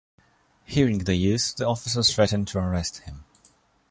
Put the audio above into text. Hearing the youth, the officer threatened to arrest him.